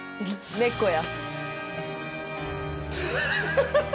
猫や。